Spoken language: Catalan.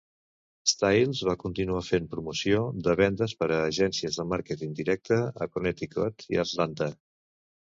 Styles va continuar fent promoció de vendes per a agències de màrqueting directe a Connecticut i a Atlanta.